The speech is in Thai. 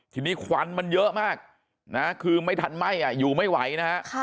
ทีนี้ควันมันเยอะมากนะคือไม่ทันไหม้อยู่ไม่ไหวนะฮะ